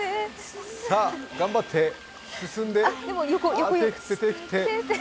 さあ、頑張って、進んで、手、振って。